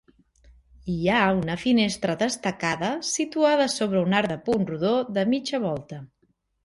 Hi ha una finestra destacada situada sobre un arc de punt rodó de mitja volta.